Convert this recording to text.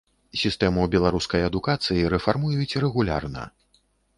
Сістэму беларускай адукацыі рэфармуюць рэгулярна.